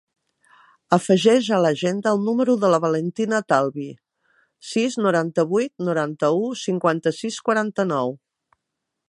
Afegeix a l'agenda el número de la Valentina Talbi: sis, noranta-vuit, noranta-u, cinquanta-sis, quaranta-nou.